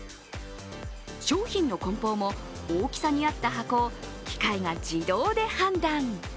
商品のこん包も、大きさに合った箱を機械が自動で判断。